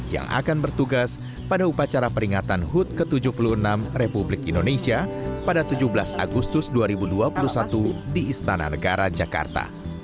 yang akan bertugas pada upacara peringatan hud ke tujuh puluh enam republik indonesia pada tujuh belas agustus dua ribu dua puluh satu di istana negara jakarta